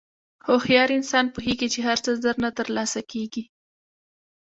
هوښیار انسان پوهېږي چې هر څه زر نه تر لاسه کېږي.